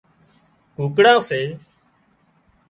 ڪوڪڙان سي